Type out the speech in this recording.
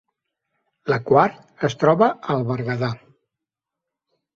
La Quar es troba al Berguedà